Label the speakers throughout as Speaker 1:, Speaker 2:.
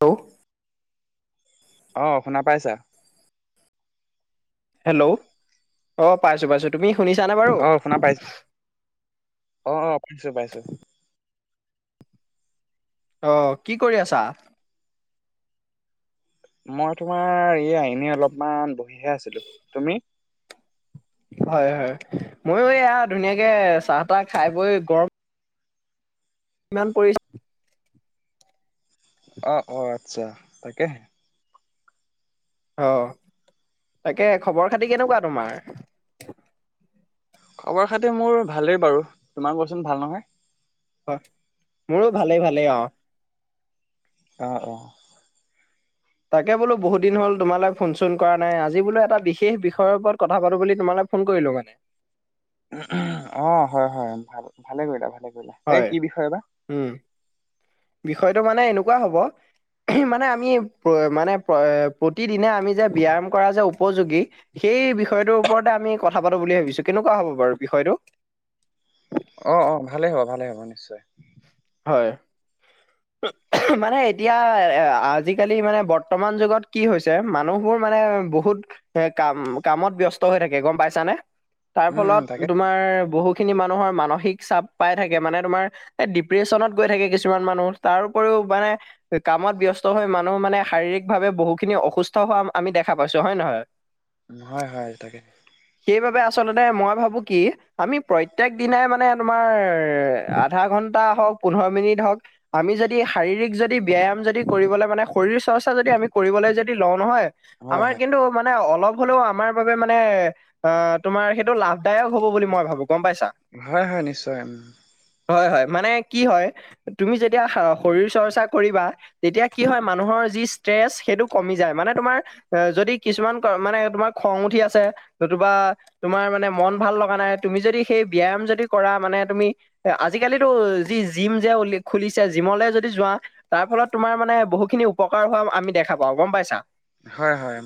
Speaker 1: Hello,
Speaker 2: অ, শুনা পাইছা?
Speaker 1: হেল্ল', অ পাইছোঁ- পাইছোঁ তুমি শুনিছানে বাৰু?
Speaker 2: অ শুনা পাইছ অ', অ', পাইছোঁ- পাইছোঁ।
Speaker 1: অ' কি কৰি আছা?
Speaker 2: মই তোমাৰ এইয়া এনে অলপমান বহিহে আছিলো তুমি?
Speaker 1: হয়- হয় ময়ো এয়া ধুনীয়াকে চাহ তাহ খাই বৈ গৰ ইমান পৰিছে।
Speaker 2: অ', অ', আচ্ছা তাকে।
Speaker 1: অ, তাকে খবৰ খাতি কেনেকুৱা তোমাৰ?
Speaker 2: খবৰ খাতি মোৰ ভালেই বাৰু তোমাৰ কোৱা‌চোন ভাল নহয়?
Speaker 1: হয়, মোৰো ভালেই ভালেই অ।
Speaker 2: অ', অ',
Speaker 1: তাকে বোলো বহুত দিন হল তোমালৈ ফোন চোন কৰা নাই আজি বোলো এটা বিশেষ বিষয় ওপৰত কথা পাতো বুলি তোমালে ফোন কৰিলো মানে।
Speaker 2: অ, হয় -হয় ভাল ভালে কৰিলা- ভালে কৰিলা সে
Speaker 1: হয়
Speaker 2: কি বিষয় বা?
Speaker 1: উম, বিষয়টো মানে এনেকুৱা হব মানে আমি মানে প্ৰতিদিনে আমি যে ব্যায়াম কৰা যে উপযোগী সেই বিষয়টোৰ ওপৰতে আমি কথা পাতো বুলি ভাবিছোঁ কেনেকুৱা হ'ব বাৰু বিষয়টো?
Speaker 2: অ', অ', ভালে হ'ব -ভালে হ'ব নিশ্চয়।
Speaker 1: হয়। মানে এতিয়া [unintelligible] আজিকালি মানে বৰ্তমান যুগত কি হৈছে? যে মানুহবোৰ মানে বহুত এ কাম -কামত ব্যস্ত হৈ থাকে গম পাইছানে? তাৰ
Speaker 2: উম উম
Speaker 1: ফলত
Speaker 2: তাকে
Speaker 1: তোমাৰ বহু খিনি মানুহৰ মানসিক চাপ পাই থাকে মানে তোমাৰ এ ডিপ প্ৰেচনত গৈ থাকে কিছুমান মানুহ তাৰ উপৰিও মানে কামত ব্যস্ত হৈ মানুহ মানে শাৰীৰিক ভাৱে বহুখিনি অসুস্থ হোৱা আমি দেখা পাইছোঁ হয় নে নহয়? [inaudible]
Speaker 2: হয়- হয় তাকে।
Speaker 1: সেইবাবে আচলতে মই ভাবো কি আমি প্ৰত্যেক দিনাই মানে তোমাৰ আধা ঘন্টা হওঁক, পোন্ধৰ মিনিট হওঁক আমি যদি শাৰীৰিক যদি ব্যায়াম যদি কৰিবলৈ মানে শৰীৰ চৰ্চা যদি আমি কৰিবলৈ যদি লওঁ নহয়
Speaker 2: হয়
Speaker 1: আমাৰ
Speaker 2: হয়
Speaker 1: কিন্তু মানে অলপ হ'লেও আমাৰ বাবে মানে অ, তোমাৰ সেইটো লাভদায়ক হব বুলি মই ভাবো গম পাইছা?
Speaker 2: হয়- হয় নিশ্চয় উম।
Speaker 1: হয়- হয় মানে কি হয় তুমি যেতিয়া শৰীৰ চৰ্চা কৰিবা তেতিয়া কি হয় মানুহৰ যি ষ্ট্ৰেচ সেইটো কমি যায় মানে তোমাৰ এ, যদি কিছুমান মানে তোমাৰ খং উঠি আছে নতুবা তোমাৰ মানে মন ভাল লগা নাই তুমি যদি সেই ব্যায়াম যদি কৰা মানে তুমি এ আজিকালিতো যি জিম যে খুলিছে জিমলে যদি যোৱা তাৰ ফলত তোমাৰ মানে বহুখিনি উপকাৰ হোৱা আমি দেখা পাওঁ গম পাইছা?
Speaker 2: হয়- হয়।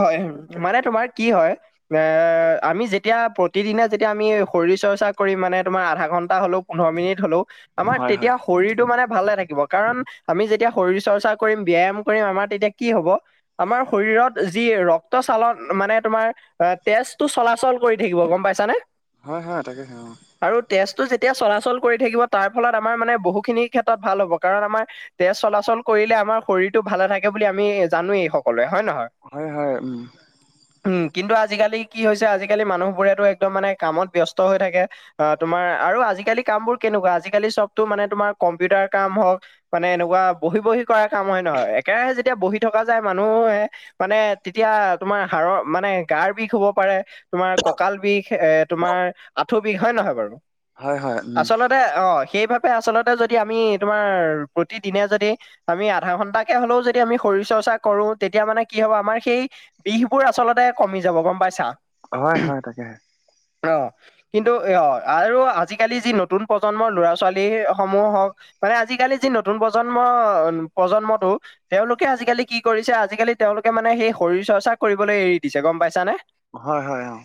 Speaker 1: হয়, মানে তোমাৰ কি হয় এ আমি যেতিয়া প্ৰতিদিনে যেতিয়া আমি শৰীৰ চৰ্চা কৰিম মানে তোমাৰ আধা ঘন্টা হলেও পোন্ধৰ মিনিট হলেও আমাৰ
Speaker 2: হয় হয়
Speaker 1: তেতিয়া শৰীৰটো মানে ভালে নাথাকিব কাৰণ আমি যেতিয়া শৰীৰ চৰ্চা কৰিম, ব্যায়াম কৰিম আমাৰ তেতিয়া কি হব আমাৰ শৰীৰত যি ৰক্ত চালন মানে তোমাৰ এ তেজটো চলাচল কৰি থাকিব গম পাইছানে?
Speaker 2: হয় -হয় তাকে সে অ।
Speaker 1: আৰু তেজটো যেতিয়া চলাচল কৰি থাকিব তাৰ ফলত আমাৰ মানে বহুখিনি ক্ষেত্ৰত ভাল হ'ব কাৰণ আমাৰ তেজ চলাচল কৰিলে আমাৰ শৰীৰটো ভালে থাকে বুলি আমি জানোৱেই সকলোৱে হয় নে নহয়?
Speaker 2: হয়- হয় উম।
Speaker 1: উম, কিন্তু আজিকালি কি হৈছে আজিকালি মানুহবোৰেতো একদম মানে কামত ব্যস্ত হৈ থাকে অ, তোমাৰ আৰু আজিকালি কাম বোৰ কেনেকুৱা আজিকালি চবতো মানে তোমাৰ কম্পিউটাৰ কাম হওক মান এনেকুৱা বহি- বহি কৰাই কাম হয় নহয় একেৰাহে যেতিয়া বহি থকা যায় মানুহে মানে তেতিয়া তোমাৰ হাড়ৰ মানে গাৰ বিষ হব পাৰে তোমাৰ কঁকাল বিষ এ তোমাৰ আঁঠু বিষ হয় নহয় বাৰু?
Speaker 2: হয় -হয়। উম
Speaker 1: আচলতে অ, সেইবাবে আচলতে যদি আমি তোমাৰ প্ৰতিদিনে যদি আমি আধা ঘন্টাকে হলেও যদি আমি শৰীৰ চৰ্চা কৰো তেতিয়া মানে কি হব আমাৰ সেই বিষ বোৰ আচলতে কমি যাব গম পাইছা?
Speaker 2: হয়- হয় তাকে।
Speaker 1: অ, কিন্তু এ অ, আৰু আজি আজিকালি যি নতুন প্ৰজন্মৰ ল'ৰা ছোৱালী সমূহ হওক মানে আজিকালি যি নতুন প্ৰজন্ম- প্ৰজন্মটো তেওঁলোকে আজিকালি কি কৰিছে আজিকালি তেওঁলোকে মানে সেই শৰীৰ চৰ্চা কৰিবলৈ এৰি দিছে গম পাইছানে?
Speaker 2: হয়- হয় অ।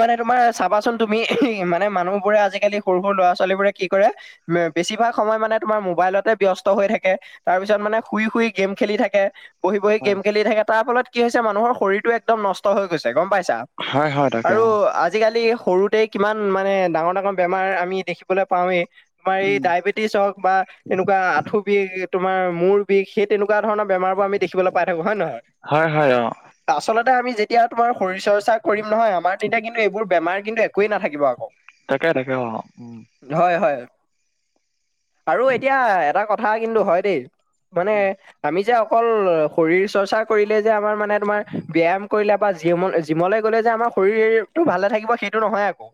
Speaker 1: মানে তোমাৰ চাবাচোন তুমি মানে মানুহ বোৰে আজিকালি সৰু- সৰু ল'ৰা -ছোৱালী বোৰে কি কৰে বেছিভাগ সময় মানে তোমাৰ মোবাইলতে ব্যস্ত হৈ থাকে। তাৰ পিছত মানে শুই -শুই গেম খেলি থাকে। বহি -বহি
Speaker 2: হয়
Speaker 1: গেম খেলি থাকে তাৰ ফলত কি হৈছে মানুহৰ শৰীৰটো একদম নষ্ট হৈ গৈছে গম পাইছা?
Speaker 2: হয় হয় তাকে
Speaker 1: আৰু
Speaker 2: অ
Speaker 1: আজিকালি সৰুতে কিমান মানে ডাঙৰ- ডাঙৰ [unintelligible] তোমাৰ আমি দেখিবলৈ পাওৱে তোমাৰ এই
Speaker 2: উম
Speaker 1: ডায়বেটি টিছ হক বা এনেকুৱা আঁঠু বিষ, তোমাৰ মূৰ বিষ সেই তেনেকুৱা ধৰণৰ বেমাৰ বোৰ আমি দেখিবলৈ পাই থাকোঁ হয় নে নহয়?
Speaker 2: হয় হয় অ
Speaker 1: আচলতে আমি যেতিয়া তোমাৰ শৰীৰ চৰ্চা কৰিম নহয় আমাৰ তেতিয়া কিন্তু এইবোৰ বেমাৰ কিন্তু একোৱে নাথাকিব আকৌ।
Speaker 2: তাকে -তাকে অ।
Speaker 1: হয় -হয় আৰু এতিয়া এটা কথা কিন্তু হয় দেই মানে
Speaker 2: উম
Speaker 1: আমি যে অকল শৰীৰ চৰ্চা কৰিলে যে আমাৰ মানে তোমাৰ ব্যায়াম কৰিলে বা জিম -জিমলৈ গ'লে যে আমাৰ শৰীৰটো ভালে থাকিব সেইটো নহয় আকৌ।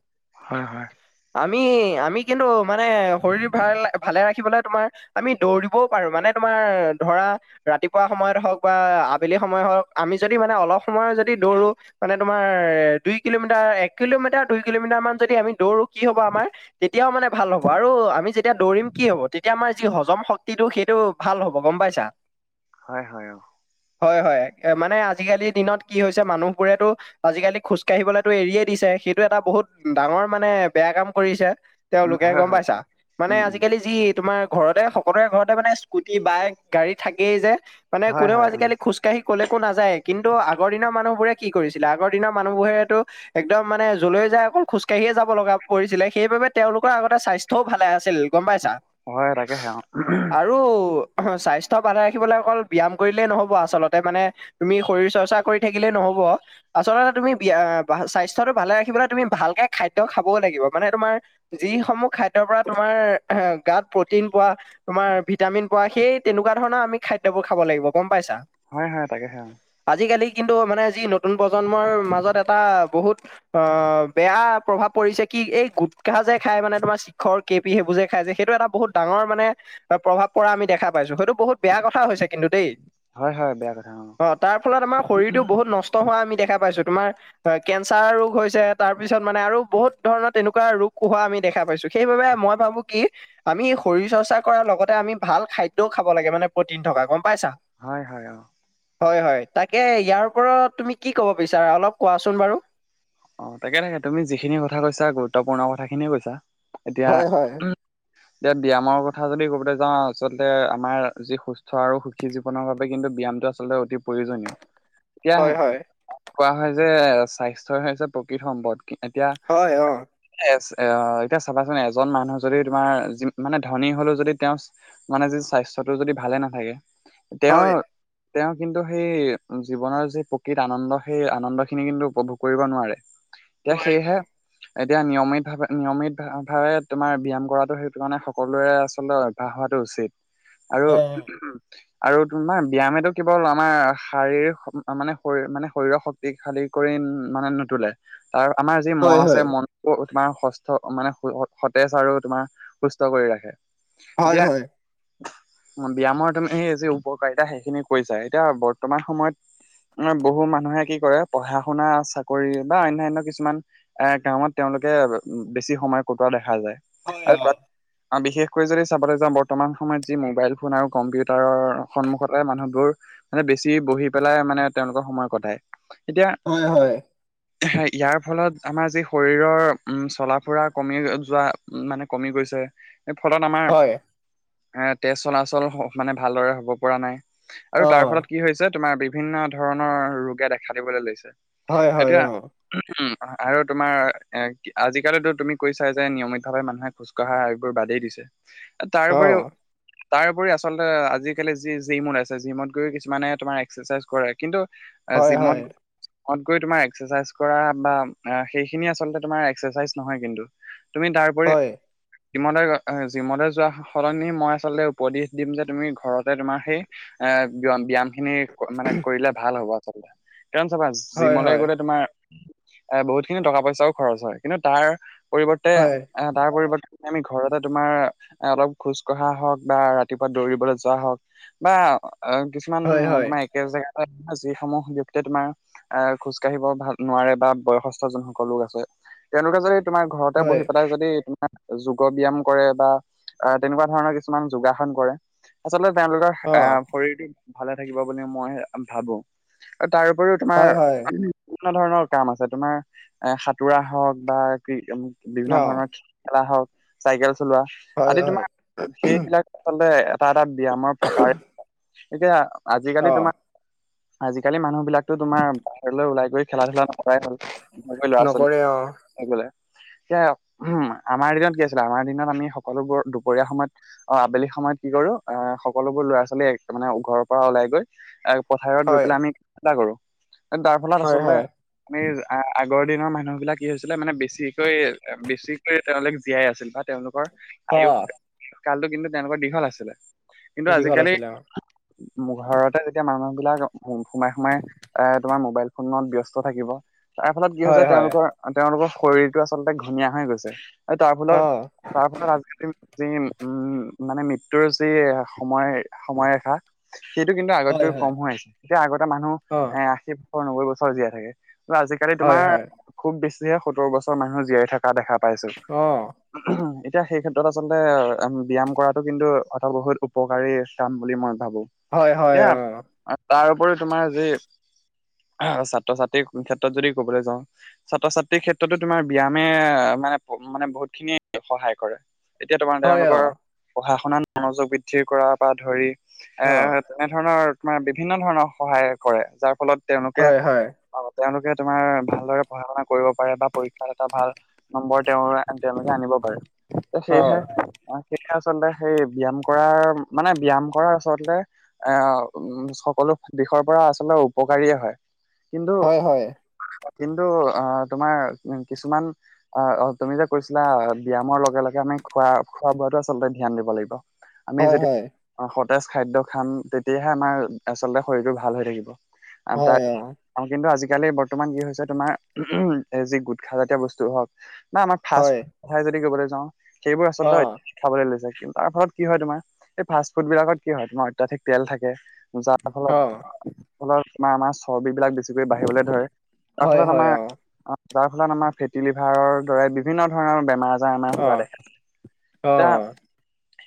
Speaker 2: হয়-হয়।
Speaker 1: আমি -আমি কিন্তু মানে শৰীৰ ভাল ভালে ৰাখিবলৈ তোমাৰ আমি দৌৰিবও পাৰো মানে তোমাৰ ধৰা ৰাতিপুৱা সময়ত হওক বা আবেলি সময় হওঁক আমি যদি মানে অলপ সময় যদি দৌৰো মানে তোমাৰ দুই কিলোমিটাৰ, এক কিলোমিটাৰ, দুই কিলোমিটাৰ মান যদি আমি দৌৰো কি হব আমাৰ তেতিয়াও মানে ভাল হব আৰু আমি যেতিয়া দৌৰিম কি হব তেতিয়া আমাৰ যি হজম শক্তিটো সেইটো ভাল হ'ব গম পাইছা?
Speaker 2: হয় -হয় অ।
Speaker 1: হয়- হয় মানে আজিকালিৰ দিনত কি হৈছে মানুহবোৰেতো আজিকালি খোজ কাঢ়িবলৈতো এৰিয়ে দিছে সেইটো এটা বহুত ডাঙৰ মানে বেয়া কাম কৰিছে।
Speaker 2: উম
Speaker 1: তেওঁলোকে
Speaker 2: হয়
Speaker 1: গম
Speaker 2: হয়
Speaker 1: পাইছা মানে
Speaker 2: উম উম
Speaker 1: আজিকালি যি তোমাৰ ঘৰতে সক সকলোৰে ঘৰতে মানে স্কুতি, বাইক, গাড়ী থাকেই যে মানে
Speaker 2: হয়
Speaker 1: কোনেও
Speaker 2: হয় উম
Speaker 1: আজিকালি খোজকাঢ় কাঢ়ি ক'লেকো নাযায় কিন্তু আগৰ দিনৰ মানুহবোৰে কি কৰিছিলে আগৰ দিনৰ মানুহবোৰেতো একদম মানে জ্বলৈ যায় অকল খোজ কাঢ়িয়ে যাব লগা পৰিছিলে সেইবাবে তেওঁলোকৰ আগতে স্বাস্থ্যও ভাল আছিল গম পাইছা?
Speaker 2: হয় তাকেহে অ
Speaker 1: আৰু স্বাস্থ্য ভালে ৰাখিবলৈ অকল ব্যায়াম কৰিলেই নহ'ব আচলতে মানে তুমি শৰীৰ চৰ্চা কৰি থাকিলে নহব আচলতে তুমি বিয়া স্বাস্থ্যটো ভালে ৰাখিবলৈ তুমি ভালকে খাদ্য খাবও লাগিব মানে তোমাৰ যিসমূহ খাদ্যৰ পৰা তোমাৰ এ গাত প্ৰটিন পোৱা তোমাৰ ভিটামিন পোৱা সেই তেনেকুৱা ধৰণৰ আমি খাদ্যবোৰ খাব লাগিব গম পাইছা?
Speaker 2: হয় -হয় তাকেহে অ।
Speaker 1: আজিকালি কিন্তু মানে যি নতুন প্ৰজন্মৰ মাজত এটা বহুত অ, বেয়া প্ৰভাৱ পৰিছে কি এই গুটখাহ যে খাই মানে তোমাৰ চিখৰ, কে পি সেইবোৰ যে খাই যে সেইটো এটা বহুত ডাঙৰ মানে অ, প্ৰভাৱ পৰা আমি দেখা পাইছোঁ সেইটো বহুত বেয়া কথা হৈছে কিন্তু দেই
Speaker 2: হয় হয় বেয়া কথা
Speaker 1: অ, তাৰ ফলত আমাৰ শৰীৰটো বহুত নচ ত 'হোৱা আমি দেখা পাইছো তোমাৰ কেঞ্চাৰ ৰোগ হৈছে তাৰ পিছত মানে আৰু বহুত ধৰণৰ তেনেকোৱা ৰোগ হোৱা আমি দেখা পাইছো সেইবাবে মই ভাবো কি আমি শৰীৰ চৰ্চা কৰাৰ লগতে আমি ভাল খাদ্যও খাব লাগে মানে প্ৰটিন থকা গম পাইছা?
Speaker 2: হয়-হয় অ।
Speaker 1: হয় -হয় তাকে ইয়াৰ ওপৰত তুমি কি ক'ব বিচাৰা অলপ কোৱাচোন বাৰু?
Speaker 2: অ, তাকে -তাকে তুমি যিখিনি কথা কৈছা গুৰুত্বপূৰ্ণ কথাখিনি কৈছা এতিয়া
Speaker 1: হয় হয়
Speaker 2: এতিয়া ব্যায়ামৰ কথা যদি ক'বলে যাওঁ আচলতে আমাৰ যি সুস্থ আৰু সি জীৱনৰ বাবে কিন্তু ব্যায়ামটো আচলতে অতি প্ৰয়োজনীয়।
Speaker 1: [inaudible]
Speaker 2: এতিয়া
Speaker 1: হয়
Speaker 2: কোৱা হয় যে স্বাস্থ্যই হৈছে প্ৰকৃত সম্পদ এতিয়া
Speaker 1: হয় অ।
Speaker 2: এচ অহ এতিয়া চাবাচোন এজন মানুহ যদি তোমাৰ মানে ধনী হলেও যদি তেওঁ মানে যদি স্বাস্থ্যটো যদি ভালে নাথাকে তেওঁৰ
Speaker 1: হয়
Speaker 2: তেওঁ কিন্তু সেই জীৱনৰ যি প্ৰকৃত আনন্দ সেই আনন্দ খিনি কিন্তু উপভোগ কৰিব নোৱাৰে এতিয়া
Speaker 1: নোৱাৰিব অ
Speaker 2: সেইহে এতিয়া নিয়মিত ভাৱে- নিয়মিত ভাৱে তোমাৰ ব্যায়াম কৰাটো সেইটো কাৰণে সকলোৰে আচলতে অভ্যাস হোৱাটো উচিত আৰু আৰু তোমাৰ ব্যায়ামেটো কিৱল আমাৰ শাৰীৰিক মানে শৰীৰ মানে শৰীৰৰ শক্তিশালী কৰি মানে নুতুলে আৰ আমাৰ যি মন
Speaker 1: হয়
Speaker 2: আছে
Speaker 1: হয়
Speaker 2: মন অ, তোমাৰ সস্থ মানে সতেজ আৰু তোমাৰ সুস্থ কৰি ৰাখে।
Speaker 1: হয়
Speaker 2: এতিয়া
Speaker 1: হয়
Speaker 2: উম, ব্যায়ামৰ তাৰমানে এই যে উপকাৰিতা সেইখিনি কৰিছা এতিয়া বৰ্তমান সময়ত উম, বহু মানুহে কি কৰে পঢ়া- শুনা চাকৰি কৰি বা অনান্যা কিছুমান এ কামত তেওঁলোকে বেছি সময় কটোৱা দেখা যায়।
Speaker 1: হয়
Speaker 2: আৰু
Speaker 1: অ
Speaker 2: তাত অ, বিশেষ কৰি যদি চাবলৈ যাওঁ বৰ্তমান সময়ত যি মোবাইল ফোন আৰু কম্পিউটাৰৰ সন্মুখতে অ, এই মানুহবোৰ মানে বেছি বহি পেলাই মানে তেওঁলোকৰ সময় কটায় এতিয়া
Speaker 1: অয়-হয়
Speaker 2: ইয়াৰ ফলত আমাৰ যি শৰীৰৰ উম চলা ফুৰা কমি যোৱা মানে কমি গৈছে এই ফলত আমাৰ
Speaker 1: হয়
Speaker 2: এ তেজ চলাচল মানে ভালদৰে হ'ব পৰা নাই। আৰু
Speaker 1: অ
Speaker 2: তাৰ ফলত কি হৈছে তোমাৰ বিভিন্ন ধৰণৰ ৰোগে দেখা দিবলৈ লৈছে।
Speaker 1: হয়- হয় অ।
Speaker 2: [unintelligible] উম, আৰু তোমাৰ এ আজিকালিতো তুমি কৈছা যে নিয়মিতভাৱে মানুহে খোজ খোজ কাঢ়া এইবোৰ বাদেই দিছে এ আৰু
Speaker 1: অ অ
Speaker 2: তাৰোপৰিও তাৰপৰি আচলতে আজিকালি যি জিমোত আছে জিমোত গৈ কিছুমানে তোমাৰ এক্সাৰচাইজ কৰে কিন্তু অ,
Speaker 1: হয় হয়
Speaker 2: জিমত মত গৈ তোমাৰ এক্সাৰচাইজ কৰা বা সেইখিনি আচলতে তোমাৰ এক্সাৰচাইজ নহয় কিন্তু তুমি তাৰপৰি
Speaker 1: হয়
Speaker 2: জিমলে অ জিমলৈ যোৱা সলনি মই আচলতে উপদেশ দিম যে তুমি ঘৰতে তোমাৰ সেই এ ব্যায়াম খিনি মানে কৰিলে ভাল হব আচলতে কাৰণ চাবা
Speaker 1: হয়
Speaker 2: জিমলেই
Speaker 1: হয়
Speaker 2: গ'লে তোমাৰ এ বহুত খিনি টকা পইচাও খৰচ হয় কিন্তু তাৰ পৰিৱৰ্তে
Speaker 1: হয়
Speaker 2: এ তাৰ পৰিৱৰ্তে আমি ঘৰতে তোমাৰ এ অলপ খোজ কঢ়া হওক বা ৰাতিপুৱা দৌৰিবলৈ যোৱা হওক বা অ, কিছুমান
Speaker 1: হয় হয়
Speaker 2: আপোনাৰ একে জেগাতে [unintelligible] যিসমূহ ব্যক্তিয়ে তোমাৰ এ খোজ কাঢ়িব ভাল নোৱাৰে বা বয়সস্থ যোনসকল লোক আছে তেওঁলোকে যদি তোমাৰ ঘৰতে
Speaker 1: হয়
Speaker 2: বহি পেলাই যদি যোগ ব্যায়াম কৰে বা অ, তেনেকোৱা ধৰণৰ কিছুমান যোগাসন কৰে আচলতে তেওঁলোকৰ
Speaker 1: অ
Speaker 2: আ পৰিৱেশ ভালে থাকিব বুলি মই ভাবো। অ, তাৰপৰিও তোমাৰ
Speaker 1: হয় হয়
Speaker 2: বিভিন্ন ধৰণৰ কাম আছে তোমাৰ এ সাঁতোৰা হওক বা বিভিন্ন
Speaker 1: অ
Speaker 2: ধৰণৰ খেলা হওক চাইকেল চলোৱা
Speaker 1: হয়
Speaker 2: আদি
Speaker 1: হয়
Speaker 2: তোমাৰ সেইবিলাক আচলতে এটা -এটা ব্যায়ামৰ প্ৰকাৰে এতিয়া আজিকালি
Speaker 1: অ
Speaker 2: তোমাৰ আজিকালি মানুহ বিলাকতো তোমাৰ বাহিৰলৈ ওলাই গৈ খেলা -ধূলা নকৰাই হ'ল।
Speaker 1: নকৰে অ
Speaker 2: [unintelligible] [unintelligible] আমাৰ দিনত কি আছিলে আমাৰ দিনত আমি সকলোবোৰ দুপৰীয়া সময়ত অ, আবেলি সময়ত কি কৰো অ, সকলোবোৰ ল'ৰা ছোৱালী মানে ঘৰৰ পৰা ওলাই গৈ এ পথাৰত গৈ
Speaker 1: হয়
Speaker 2: পেলাই আমি [unintelligible] কৰো তাৰ ফলত
Speaker 1: হয়
Speaker 2: আচলতে
Speaker 1: হয়
Speaker 2: আমি আগৰ দিনৰ মানুহ বিলাক কি হৈছিলে মানে বেছিকৈ বেছিকৈ তেওঁলোকে জীয়াই আছিল বা তেওঁলোকৰ
Speaker 1: অ
Speaker 2: আয়ুস কালটো কিন্তু তেওঁলোকৰ দীঘল আছিলে কিন্তু
Speaker 1: দীঘল
Speaker 2: আজিকালি
Speaker 1: আছিলে অ
Speaker 2: ঘৰতে যেতিয়া মানুহ বিলাক সোমাই -সোমাই এ তোমাৰ মোবাইল উনপাত ব্যস্ত থাকিব তাৰ ফলত কি হৈছে
Speaker 1: হয় হয়
Speaker 2: তেওঁলোকৰ তেওঁলোকৰ শৰীৰটো আচলতে ঘনীয়া হৈ গৈছে আৰু তাৰ ফলত
Speaker 1: অ
Speaker 2: -তাৰ ফলত আজিকালি যি উম মানে মৃত্যুৰ যি সময় সময় ৰেখা সেইটো কিন্তু
Speaker 1: হয়
Speaker 2: আগতকৈ
Speaker 1: হয়
Speaker 2: কম হৈ আছে এতিয়া আগতে মানুহ
Speaker 1: অ
Speaker 2: এ আশী বছৰ নব্বৈ বছৰ জীয়াই থাকে তো আজিকালি
Speaker 1: হয়
Speaker 2: তোমাৰ
Speaker 1: হয়
Speaker 2: খুব বেছিহে সত্তৰ বছৰ মানুহ জীয়াই থকা দেখা পাইছোঁ।
Speaker 1: অ',
Speaker 2: এতিয়া সেই ক্ষেত্ৰত আচলতে অ, ব্যায়াম কৰাটো কিন্তু এটা বহুত উপকাৰী যাম বুলি মই ভাবো
Speaker 1: হয় হয়
Speaker 2: এতিয়া
Speaker 1: অ
Speaker 2: তাৰ উপৰিও তোমাৰ যি ছাত্ৰ -ছাত্ৰীৰ ক্ষেত্ৰত যদি ক'বলৈ যাওঁ ছাত্ৰ -ছাত্ৰীৰ ক্ষেত্ৰতো তোমাৰ ব্যায়ামে মানে -মানে বহুত খিনিয়ে সহায় কৰে। এতিয়া তোমাৰ
Speaker 1: হয় অ
Speaker 2: তেওঁলোকৰ পঢ়া শুনাত মনোযোগ বৃদ্ধিৰ কৰাৰ পৰা ধৰি
Speaker 1: অ
Speaker 2: এৰ এনেধৰণৰ মানে বিভিন্ন ধৰণৰ সহায় কৰে যাৰ ফলত তেওঁলোকে
Speaker 1: হয় হয়
Speaker 2: অ, তেওঁলোকে তোমাৰ ভালদৰে পঢ়া -শুনা কৰিব পাৰে বা পৰীক্ষাত এটা ভাল নম্বৰ তেওঁৰ -তেওঁলোকে আনিব পাৰে ত '
Speaker 1: অ
Speaker 2: সেইহে অ, সেই আচলতে সেই ব্যায়াম কৰাৰ মানে ব্যায়াম কৰাৰ আচলতে এ সকলো দিশৰ পৰা আচলতে উপকাৰীয়ে হয় কিন্তু
Speaker 1: হয় হয়
Speaker 2: কিন্তু অ, তোমাৰ উম, কিছুমান অ', অ', তুমি যে কৈছিলা ব্যায়ামৰ লগে -লগে আমি খোৱা -খোৱা -বোৱাাতো আচলতে ধ্যান দিব লাগিব। আমি
Speaker 1: হয়
Speaker 2: যদি অ, সতেজ খাদ্য খাম তেতিয়াহে আমাৰ আচলতে শৰীৰটো ভাল হৈ থাকিব। আন
Speaker 1: হয়
Speaker 2: তাক
Speaker 1: হয়
Speaker 2: অ, কিন্তু আজিকালি বৰ্তমান কি হৈছে তোমাৰ [unintelligible] এ যি গোটখাজাতীয় বস্তু হওক ন'আমাৰ
Speaker 1: অ
Speaker 2: ফাষ্ট
Speaker 1: হয়
Speaker 2: ঠাই যদি কবলৈ যাওঁ সেইবোৰ
Speaker 1: অ
Speaker 2: আচলতে অত খাবলৈ লৈছে [unintelligible] তাৰ ফলত কি হয় তোমাৰ এই ফাষ্ট ফুড বিলাকত কি হয় তোমাৰ অত্যধিক তেল থাকে যাৰ ফলত- ফলত আমাৰ আমাৰ চৰ্বি বিলাক বেছি [unintelligible] বাঢ়িবলৈ ধৰে
Speaker 1: অ
Speaker 2: তাৰ
Speaker 1: হয়
Speaker 2: ফলত
Speaker 1: হয়
Speaker 2: আমাৰ
Speaker 1: অ
Speaker 2: অ যাৰ ফলত আমাৰ ফেটি লিভাৰৰ দৰে বিভিন্ন ধৰণৰ বেমাৰ আজ জাৰ
Speaker 1: অ
Speaker 2: হোৱা দেখা যায়
Speaker 1: অ
Speaker 2: এটা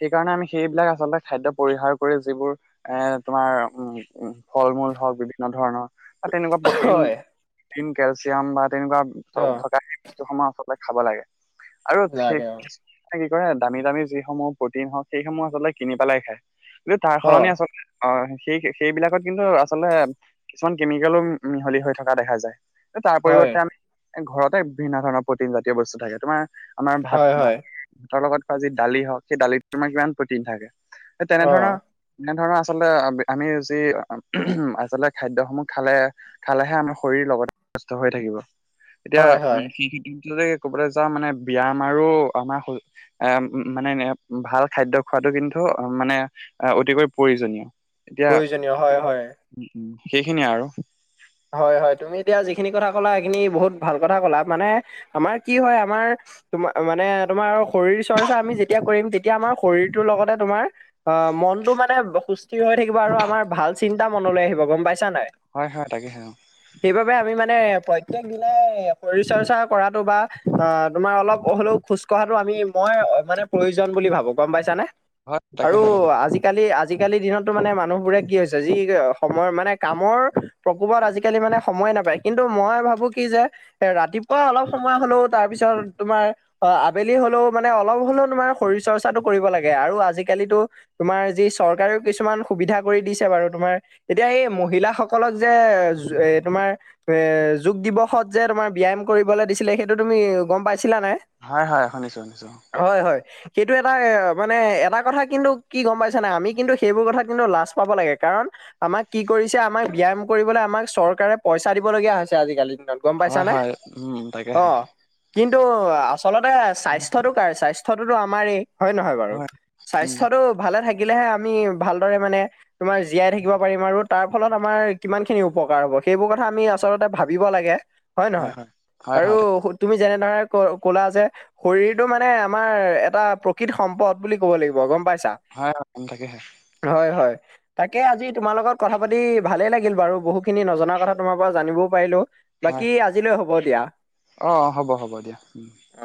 Speaker 2: সেইকাৰণে আমি সেইবিলাক আচলতে খাদ্য পৰিহাৰ কৰি যিবোৰ এ তোমাৰ উম - উম ফল মূল হওক বি ন ধৰণৰ বা তেনেকুৱা প্ৰটিন
Speaker 1: হয়
Speaker 2: -টিন কেলচিয়াম বা
Speaker 1: অ
Speaker 2: তেনেকুৱা থকা [unintelligible] কিছু সময় আচলতে খাব লাগে আৰু
Speaker 1: লাগে অ
Speaker 2: সেই কি কৰে দামী -দামী যিসমূহ প্ৰটিন হওক সেইসমূহ আচলতে কিনি পালাই খায় [unintelligible] তাৰ
Speaker 1: অ
Speaker 2: সলনি আচলতে অ, সেই -সেইবিলাকত কিন্তু আচলতে কিছুমান কেমিকেলো উম মিহলি হৈ থকা দেখা যায় এ তাৰ
Speaker 1: হয়
Speaker 2: পৰিৱৰ্তে আমি এ ঘৰতে বিভিন্ন ধৰণৰ প্ৰটিন জাতীয় বস্তু থাকে তোমাৰ আমাৰ ভাত
Speaker 1: হয় হয়
Speaker 2: ভাতৰ লগত ভাজি দালি হওক সেই দালিত তোমাৰ কিমান প্ৰটিন থাকে এ
Speaker 1: অ
Speaker 2: তেনেধৰণৰ এনে ধৰণৰ আচলতে আবি আমি যি [unintelligible] আচলতে খাদ্যসমূহ খালে- খালেহে আমি শৰীৰ লগতে সুস্থ হৈ থাকিব। এতিয়া
Speaker 1: হয়
Speaker 2: উম,
Speaker 1: হয়
Speaker 2: সি- সিদিনটোৰে কবলে যাওঁ মানে বায়াম আৰু আমাৰ শৰীৰ এ মানে এনে ভাল খাদ্য খোৱাটো কিন্তু মানে অতিকৈ প্ৰয়োজনীয়। এতিয়া
Speaker 1: প্ৰয়োজনীয় হয়- হয়।
Speaker 2: উম উম, সেইখিনিয়ে আৰু।
Speaker 1: হয় -হয় তুমি এতিয়া যিখিনি কথা ক'লা সেইখিনি বহুত ভাল কথা কলা মানে আমাৰ কি হয় আমাৰ তোমা মানে আৰু তোমাৰ শৰীৰ চৰ্চা আমি যেতিয়া কৰিম তেতিয়া আমাৰ শৰীৰটোৰ লগতে তোমাৰ অ, মনটো মানে সুস্থিৰ হৈ থাকিব আৰু আমাৰ ভাল চিন্তা মনলৈ আহিব গম পাইছা নাই?
Speaker 2: হয় -হয় তাকেহে অ,
Speaker 1: সেইবাবে আমি মানে প্ৰত্যেক দিনাই শৰীৰ চৰ্চা কৰাতটো বা অ, তোমাৰ অলপ হলেও খোজ কঢ়াটো আমি মই মানে প্ৰয়োজন বুলি ভাবো গম পাইছানে,
Speaker 2: হয়
Speaker 1: আৰু
Speaker 2: তাকেহে তাকে
Speaker 1: আজি আজিকালি- আজিকালি দিনততো মানে মানুহবোৰে কি হৈছে যি সময় মানে কামৰ প্ৰকোবত আজিকালি মানে সময় নাপায় কিন্তু মই ভাবো কি যে এ ৰাতিপুৱা অলপ সময় হলেও তাৰপিছত তোমাৰ অ, আবেলি হলেও মানে অলপ হলেও তোমাৰ শৰীৰ চৰ্চাটো কৰিব লাগে আৰু আজিকালিতো তোমাৰ যি চৰকাৰেও কিছুমান সুবিধা কৰি দিছে বাৰু তোমাৰ এতিয়া এই মহিলাসকলক যে যু এ তোমাৰ এ যোগ দিৱসত যে তোমাৰ ব্যায়াম কৰিবলৈ দিছিলে সেইটো তুমি গম পাইছিলা নাই?
Speaker 2: হয়-হয় শুনিছো- শুনিছো।
Speaker 1: হয় -হয়। সেইটো এটা মানে এটা কথা কিন্তু কি গম পাইছ নাই আমি কিন্তু সেইবোৰ কথা কিন্তু লাজ পাব লাগে কাৰণ আমাক কি কৰিছে আমাক ব্যায়াম কৰিবলৈ আমাক চৰকাৰে পইচা দিব লগীয়া হৈছে আজিকালি দিনত গম
Speaker 2: হয়
Speaker 1: পাইছানে
Speaker 2: হয় উম
Speaker 1: অ,
Speaker 2: তাকেহে
Speaker 1: কিন্তু আচলতে
Speaker 2: উম
Speaker 1: স্বাস্থ্যটো কাৰ স্বাস্থ্য স্বাস্থ্যটো আমাৰে হয় নহয় বাৰু
Speaker 2: হয় উম
Speaker 1: স্বাস্থ্যটো ভালে থাক থাকিলেহে আমি ভালদৰে মানে তোমাৰ জীয়াই থাকিব পাৰিম আৰু তাৰ ফলত আমাৰ কিমান খিনি উপকাৰ হ'ব সেইবোৰ কথা আমি আচলতে ভাবিব লাগে হয় নহয়
Speaker 2: হয়
Speaker 1: আৰু
Speaker 2: হয় তাকে
Speaker 1: তুমি যেনেদৰে ক -ক'লা যে শৰীৰটো মানে আমাৰ এটা প্ৰকৃত সম্পদ বুলি ক'ব লাগিব গম পাইছা?
Speaker 2: হয় কম থাকে।
Speaker 1: হয়, হয়। তাকে আজি তোমাৰ লগত কথা পাতি ভালে লাগ গিল বাৰু। বহুত খিনি নজনা কথা তোমাৰ পৰা জানিবও পাৰিলো।
Speaker 2: হয়
Speaker 1: বাকি
Speaker 2: হয়
Speaker 1: আজিলৈ হ'ব দিয়া।
Speaker 2: অ, হ'ব হ'ব দিয়া।
Speaker 1: অ